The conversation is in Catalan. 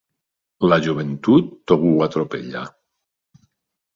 La joventut tot ho atropella.